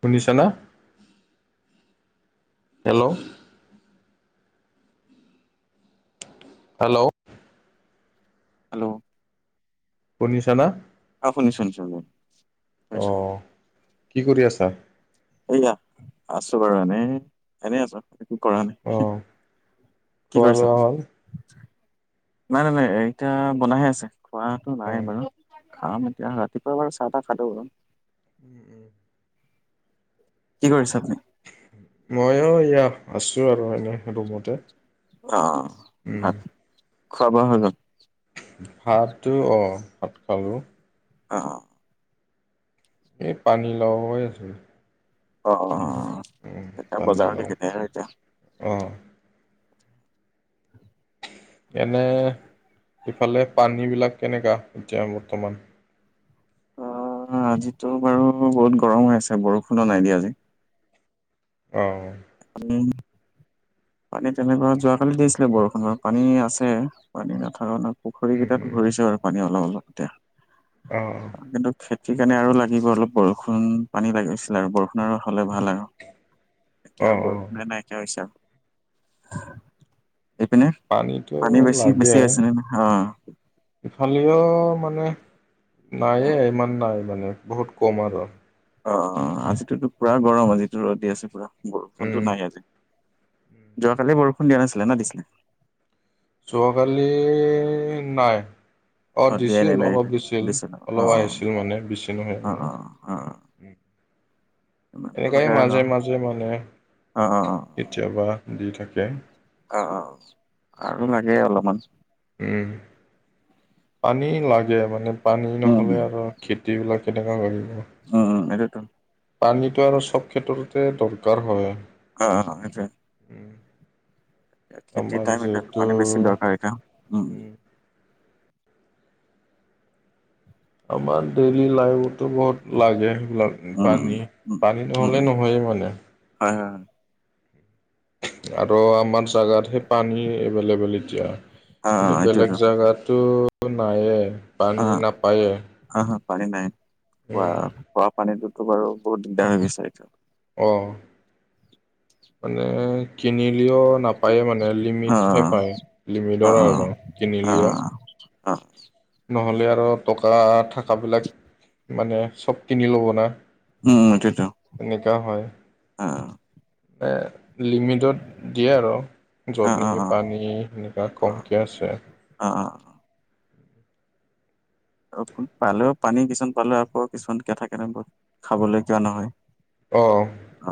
শুনিছা না? Hello. Hello. Hello. শুনিছা না? অ' শুনিছোঁ শুনিছোঁ বুলো, শুনিছোঁ। অ' কি কৰি আছা? এয়া আছোঁ বাৰু এনেই। এনেই আছোঁ, একো কৰা নাই। অ' কি খোৱা কৰিছা? লোৱা হ'ল? নাই নাই নাই, এতিয়া বনাইহে আছে। খোৱাটো নাই অ'। বাৰু। খাম এতিয়া। ৰাতিপুৱা বাৰু চাহ তাহ খালোঁ। উম, উম। কি কৰিছে আপুনি? মই এইয়া আছোঁ আৰু এনে ৰুমতে। অ', উম, ভাত খোৱা বোৱা হৈ গ'ল? ভাতটো অ', ভাত খালোঁ। অ', অ'। এই পানী লাও এ আছিল। অ', অ', অ' এতিয়া বজাৰত পানীলাও দেখিনে আৰু এতিয়া। উম। এনে ইফালে পানীবিলাক কেনেকা এতিয়া বৰ্তমান? অ', আজিতো বাৰু বহুত গৰম হৈ আছে বৰষুণো নাই দিয়া আজি। অ'। উম। পানী তেনেকুৱা যোৱাকালি দিছিলে বৰষুণৰ পানী আছে পানী নাথাকা নহয়। পুখুৰী উম, কেইটাত উম, ভৰিছে বাৰু পানী অলপ অলপ এতিয়া। অ', অ'। কিন্তু খেতিৰ কাৰণে আৰু লাগিব অলপ বৰষুণ পানী লাগিছিলে আৰু বৰষুণৰ আৰু হ'লে ভাল আৰু। এতিয়া আৰু অ', অ'। বৰষুণে নাই কিয়া হৈছে আৰু এইপিনে পানীটো পানী বেছি লাগে। বেছি হৈছে ন-ন অ'। ইফালেও মানে নায়ে ইমান নাই মানে বহুত কম আৰু। অ', অ', আজিটোতো পুৰা গৰম আজিটো ৰ'দ দি আছে পুৰা বৰষুণতো উম, নাই আজি। যোৱাকালি বৰষুণ দিয়া নাছিলে নে দিছিলে? যোৱাকালি নাই। অ', দিয়াই নাই দিছিল নাই অলপ দিছিল দিছে ন অ অলপ আহিছিল মানে বেছি নহয় আৰু। হয়। এনেকাই আৰু ন মাজে মাজে মানে অ অ অ। কেতিয়াবা দি থাকে। অ', অ', আৰু লাগে অলপমান। উম, পানী লাগে মানে পানী উম নহ'লে আৰু খেতিবিলাক কেনেকুৱা কৰিব। উম, উম, এইটোতো পানীটো আৰু চব ক্ষেত্ৰতে দৰকাৰ হয়। অ', অ', সেইটোৱে। উম, খেতিৰ আমাৰ টাইম এতিটো যিহেতু পানী বেছি দৰকাৰ এতিয়া, উম। আমাৰ ডেইলি লাইফটো বহুত লাগে সেইবিলাক। উম, পানী, পানী নহ'লে নহয়েই মানে। হয়, হয়, হয়। আৰু আমাৰ জোগাত সেই পানী এভেইলেবল এতিয়া। অ', কিন্তু এইটোয়েতো বেলেগ জাগাতো নায়ে পানী নাপায়ে। হা, হা পানী নাই খোৱা উম খোৱা পানীটোতো বাৰু বহুত দিগদাৰ হৈ গৈছে এতিয়া। অ'। মানে কিনিলেও নাপায়েই মানে লিমিটহে অ', পায় অ', লিমিটৰ অ', আৰু। কিনি লিঅ অ', অ', অ', নহ'লে আৰু টকা থাকাবিলাক মানে চব কিনি ল'ব না। উম, সেইটোৱেটো এনেকা হয় অ'। এ লিমিটত দিয়ে আৰু। য'ত অ', অ', নেকি অ', পানী এনেকুৱা কমকিয় আছে। অ', অ'। অ', পালেও পানী কিছুমান পালেও আকৌ কিছুমান কে থাকে বত খাবলৈ কিয় নহয়। অ'। অ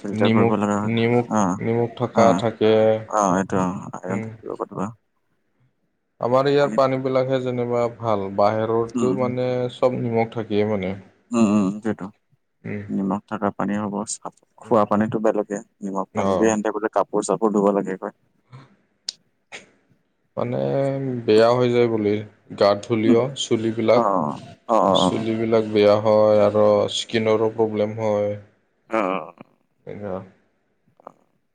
ফিল্টাৰ কৰিব নিমখ লগা হয় নিমখ অ', নিমখ থকা অ', থাকে। অ', এইটো আইৰণ থাকিব ক'তবা আমাৰ ইয়াৰ পানীত পানী বিলাকহে যেনিবা ভাল বাহিৰতো উম, মানে চব নিমখ থাকিয়েই মানে। উম উম সেইটোৱেটো। উম, নিমখ থকা পানীয়ে হ'ব চ খোৱা পানীতো বেলেগে, নিমখ পানী অ', দি কাপোৰ চাপোৰ ধুব লাগে হয়। মানে বেয়া হৈ যায় বুলি গা উম, ধুলেও, চুলিবিলাক। অ', অ', অ', চুলিবিলাক বেয়া হয় আৰু স্কিনৰো প্ৰব্লেম হয়। অ', অ'। এইয়া।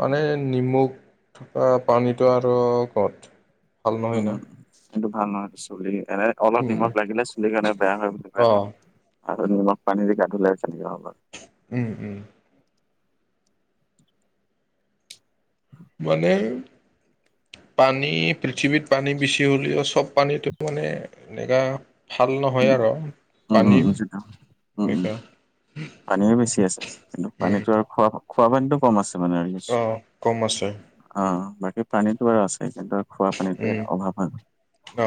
মানে নিমখ থকা পানীটো আৰু ক'ত। ভাল অ নহয় না। এইটো ভাল নহয় চলি এ অলপ উম, নিমখ লাগিলে চুলি কাৰণে বেয়া হয় বুলি অ', আৰু নিমখ পানী দি গা ধোঁলে চুলি বেয়া হব। উম উম। মানে পানী পৃথিৱীত পানী বেছি হ'লেও চব পানীতো মানে এনেকা ভাল নহয় উম, আৰু পানী এনেকা। পানীও বেছি আছে কিন্তু উম পানীতো আৰু খোৱা খোৱা পানীটো কম আছে মানে। অ', কম আছে। অ', বাকী পানীটো আছে কিন্তু। খোৱা পানীটোৰ উম অভাৱ হয়। অ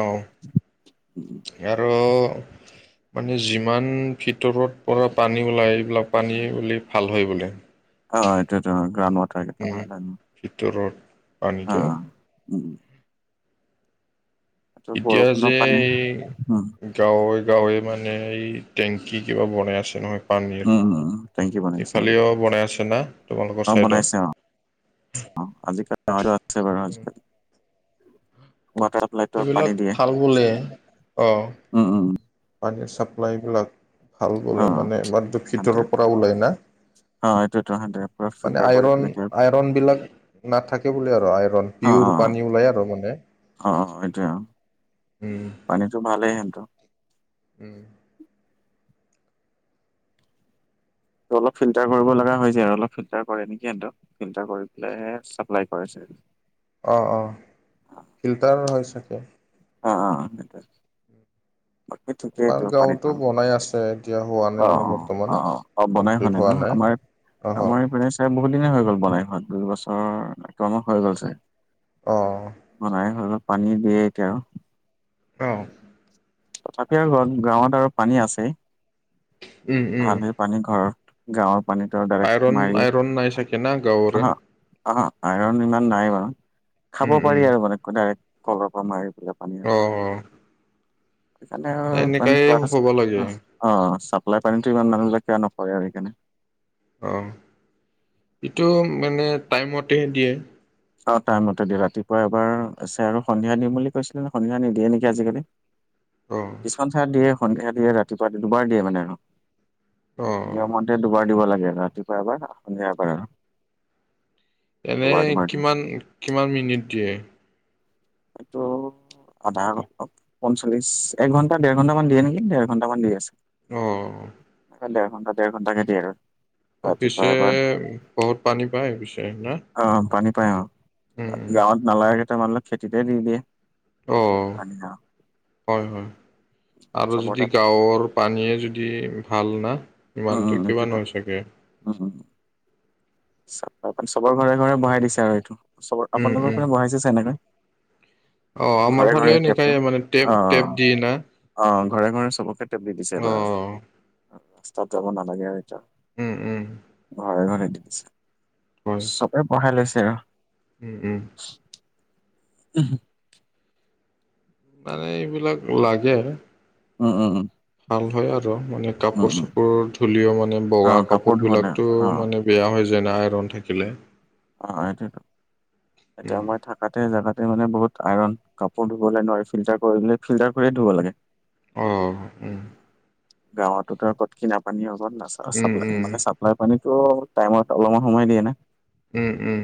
আৰু মানে যিমান ভিতৰত পৰা পানী ওলায় এইবিলাক পানী বোলি ভাল হয় বোলে। হয়, এইতোটো গ্ৰাউণ্ড ৱাটাৰ কেইটা উম ভাল হয় ন। ভিতৰত পানীটো। অ', উম। এইটো এতিয়া বৰষুণৰ যে পানী উম, গাঁৱে-গাঁৱে মানে এই, টেংকি কিবা বনাই আছে নহয়। পনীৰ, উম, উম, টেংকি বনাইছে অ'। ইফালেও বনাই আছে না তোমালোকৰ অ', ছাইডত? বনাইছে অ, আজিকালি আৰু আছে বাৰু আজিকালি। চাপ্লাইটো পানী এইবিলাক দিয়ে, ভাল বোলে অ, উম, উম, পানীৰ চাপ্লাইবিলাক। ভাল বোলে অ', মানে বাট দূক্ষিত হাণ্ড্ৰেড পৰাও ওলাই না। অ', এইটোৱেতো হাণ্ড্ৰেড পুৰা মানে ফিল্টাৰ কৰি পেলাই কিবা আইৰন-আইৰন বিলাক নাথাকে বোলে আৰু আইৰন অ', পিয়ৰ অ', পানী ওলাই আৰু মানে অ', এটোয়ে আও। উম, পানীতো ভালেই হেতৰ উম, অলপ ফিল্টাৰ কৰিব লগা হৈ যায়, অলপ ফিলটাৰ কৰে নেকি হেতৰ ফিল্টাৰ কৰি পেলাইে চাপ্লাই কৰিছে। অঁ, অঁ, ফিল্টাৰ হয় চাগে। অ, অ, অ, [inaudible] আমাৰ পানীটো গাঁৱতো অ', বনাই আছে এতিয়া হোৱা নাই মানে অ', বৰ্তমান, অ', অ', অ', বনাই কমপ্লিট ন? হোৱা নাই। আমাৰ অহ আমাৰ এইপিনে চাই বহুত দিনে হৈ গ'ল বনাই হোৱাত দুই বছৰ কমেও হৈ গ'ল চাই অঁ, বনাই হৈ পানী দিয়ে এতিয়া অঁ, তথাপিও আৰু ঘৰত গাঁৱত আৰু পানী আছে উম উম ভালেই পানী ঘৰত গাঁৱৰ পানীটো ডাইৰেক্ট আইৰণ মাৰি আইৰণ নাই চাগে না গাঁৱৰে হা অ, আইৰণ ইমান নাই বাৰু উম খাব উম পাৰি আৰু মানে ডাইৰে্ট কলৰ পৰা মাৰিপেলাই পানী আৰু অ, অ, সেইকাৰণে হ'ব লাগে আৰু চাপ্লাই পানীতো ইমান মানুহবিলাক কিয় নকৰে আৰু সেইকাৰণে অঁ, এইটো মানে টাইমতেহে দিয়ে অ, টাইমতে দি ৰাতিপুৱা এবাৰ আছে আৰু সন্ধিয়া দিম বুলি কৈছিলে ন সন্ধিয়া নিদিয়ে নেকি আজিকালি অ, কিছুমান ঠাইত দিয়ে সন্ধিয়া দিয়ে ৰাতিপুৱা দুবাৰ দিয়ে মানে আৰু অ নিয়ম দুবাৰ দিব লাগে আৰু ৰাতিপুৱা এবাৰ সন্ধিয়া এবাৰ আৰু এনে দুবাৰ দুবাৰ কিমান-কিমান মিনিট দিয়ে? এইটো আধা ঘ পঞ্চল্লিশ এক ঘণ্টা দেৰ ঘণ্টামান দিয়ে নেকি দেৰ ঘণ্টামান দি আছে অঁ, দেৰ ঘণ্টা দেৰ ঘণ্টা কে দিয়ে আৰু অ, ৰাতিপুৱা পিছে এবাৰ বহুত পানী পায় পিছে না? অ, পানী পাই অ, উম, গাঁৱত নালাগে কেইটামান লোক খেতিতে দি দিয়ে অঁ, পানী অ হয়-হয় আৰু চবৰ যদি তাত গাঁৱৰ পানীয়ে যদি ভাল না উ, ইমানটো উ, সেইটো কিমান টো হয় চাগে? উ, চবৰে ঘৰে-ঘৰে বহাই দিছে আৰু এইটো চবৰ উম, উম। আপোনালোকৰ বহাইছে চাগে এনেকৈ অ, আমাৰ ফালে এনেকাই মানে অ টেপ-টেপ দিয়ে না অ ঘৰে ঘৰে চবকে টেবল দিছে এইবাৰ অ' ৰাস্তাত যাব নালাগে আৰু এতিয়া উম উম ঘৰে ঘৰে দিছে হয়। সবেই বহাই লৈছে। উম উম উম মানে এইবিলাক ও লাগে উম উম উম ভাল হয় আৰু মানে উম কাপোৰ উম চাপোৰ ধুলেও মানে অ বগা কাপোৰ ধুবলে বিলাকতো অ অ মানে বেয়া হৈ যায় না আইৰন থাকিলে। অ সেইটোৱেইটো এতিয়া উম, মই থাকাতে জেগাতে মানে বহুত আইৰণ কাপোৰ ধুবলৈ নোৱাৰি ফিল্টাৰ কৰিলে ফিল্টাৰ কৰিহে ধুব লাগে উম উম গাঁৱতোতো আত কিনা পানী অত না চ উম, উম, মানে চ পানীটো টাইমত অলপমান সময় দিয়ে না উম উম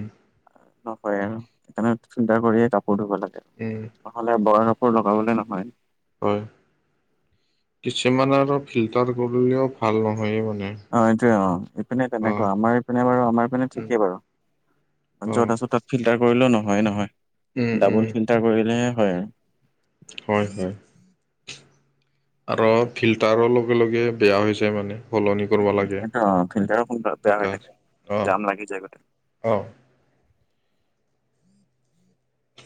অ কৰে ন সেইকাৰণে চিন্তা কৰিয়ে কাপোৰ ধুব লাগে। উম নহ'লে [unintelligible] লগাবলেই নহয়। হয়, কিছুমান আৰু ফিল্টাৰ কৰিলেও ভাল নহয়েই মানে। অ', এইটোৱে অ', ইপিনে অ'। তেনেকুৱা, আমাৰ ইপিনে বাৰু আমাৰ পিনে ঠিকেই বাৰু। অ', য'ত আছোঁ তাত ফিল্টাৰ কৰিলেও নহয়েই নহয়, উম, উম, ডাবল ফিল্টাৰ কৰিলেহে হয় আৰু। হয় হয়। আৰু ফিল্টাৰো লগে লগে বেয়া হৈ যায় মানে। সলনি কৰিব উম লাগে, এইটো অ ফিল্টাৰো সোনকালে বেয়া হৈ এনেকা থাকে হৈছে, জাম লাগি যায় গোটেই অ', অ'।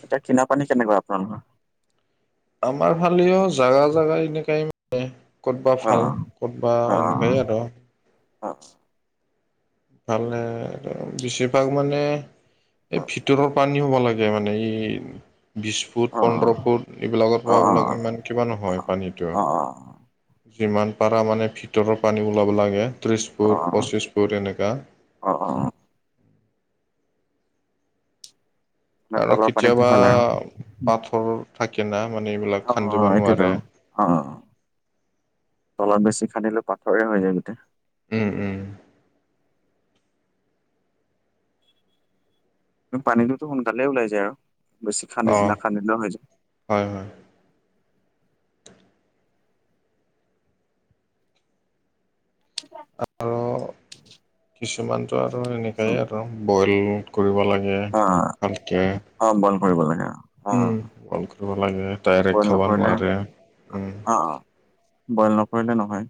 এতিয়া কিনা পানী কেনেকুৱা আপোনালোকৰ? আমাৰ ফালেও জাগা জাগাই এনেকাই মানে, ক'তবা অ ভাল। ক'তবা অ অ এনেকাই আৰু। অ'। ভালেই, বেছিভাগ মানে এই ভিতৰৰ পানী হ'ব লাগে মানে, এই বিশ ফুট, পোন্ধৰ ফুট, এইবিলাকত পোৱাবিলাক ইমান কিবান নহয়। পানীটো, যিমান পাৰা মানে ভিতৰৰ পানী ওলাব লাগে। ত্ৰিছ ফুট, পঁচিছ ফুট এনেকুৱা। অ', অ', অ'। আৰু তলৰ পানীত কেতিয়াবা জোকাল আৰু পাথৰ থাকে না, মানে এইবিলাক খান্দিব এইটোতো নোৱাৰে। অ', অ', অ', তলত বেছি খান্দিলেওঁ পাথৰেই হৈ যায় গোটেই। উম উম। পানীটোতো সোনকালে ওলাই যায় আৰু, বেছি খান্দি, অ নকান্দিলেওঁ হৈ যায়। হয় হয়। আৰু কিছুমানটো আৰু এনেকুৱাই আৰু, বইল কৰিব লাগে অ ভালকৈ। অ', বইল কৰিব লাগে অ'। অ উম, বইল কৰিব লাগে, ডাইৰেক্ট বইল খাব নকৰিলে নোৱাৰে, উম। অ অ বইল নকৰিলে নহয়,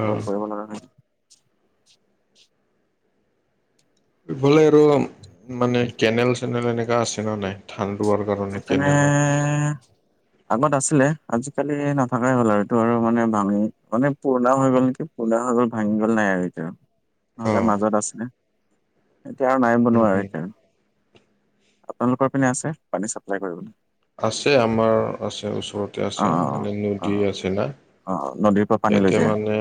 অ বইল কৰিব লগা হয়। ইফালে আৰু মানে, কেনেল চেনেল এনেকা আছে নে নাই? ধান ৰোৱাৰ কাৰণে। এইপিনে কেনেল আগত আছিলে, আজিকালি নাথাকাই হ'ল আৰু, এইটো আৰু মানে ভাঙি, মানে পুৰণাও হৈ গ'ল নেকি? পুৰণা হৈ গ'ল, ভাঙি গ'ল, নাই আৰু এতিয়া। [inaudible] নহ'লে মাজত আছে। এতিয়া আৰু নাই উম বনোৱা আৰু উম এতিয়া, আপোনালোকৰ পিনে আছে পানী চাপ্লাই কৰিবলৈ? আছে আমাৰ আছে, ওচৰতে অ আছে, মানে অ নদী অ আছে না। অ নদীৰ পৰা পানী লৈ ইয়াতে যায় মানে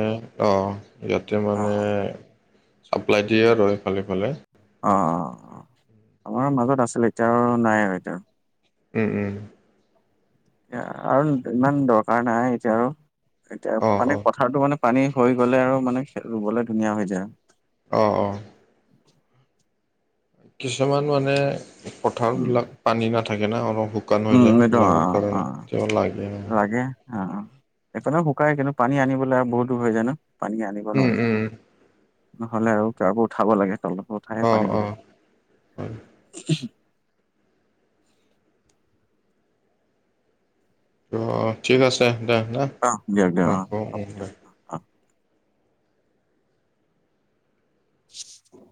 অ', ইয়াতে অ মানে চাপ্লাই দিয়ে আৰু, এইফালে সেইফালে। অ', অ', আমাৰ মাজত আছিল, এতিয়া আৰু নাই আৰু এতিয়া। উম উম। এতিয়া আৰু ইমান দৰকাৰ নাই এতিয়া আৰু, এতিয়া অ মানে অ পথাৰটো মানে পানী হৈ গ'লে আৰু মানে ৰুবলৈ ধুনীয়া হৈ যায়। অ', অ'। কিছুমান মানে উম পথাৰবিলাক পানী নাথাকে না, অলপ শুকা শুকান হৈ উম যায়, এইটো অ সেইবিলাকৰ কাৰণে কেৱল লাগে। লাগে অ' অ', এপিণেও শুকাই, কিন্তু পানী আনিবলৈ আৰু বহুত দূৰ হৈ যায় ন, পানী আনিব উম নোৱাৰি। উম নহলে আৰু [unintelligible] পৰা উঠাব লাগে, তলৰ পৰা উঠাইহে অ পানী অ দিব লাগে। অ', ঠিক আছে দে ন অ দিয়ক দিয়ক অহ অ' হ'ব দিয়ক অ'। [inaudible]